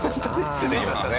出てきましたね